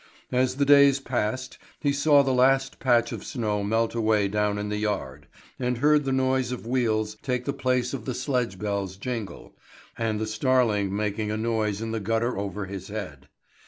As the days passed, he saw the last patch of snow melt away down in the yard, and heard the noise of wheels take the place of the sledge bells' jingle, and the starling making a noise in the gutter over his head.